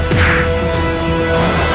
kau harus melakukannya